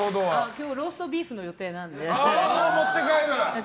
今日ローストビーフの予定なんで。